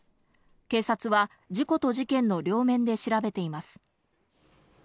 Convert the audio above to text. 警察は、事故と事件の両面で調べています。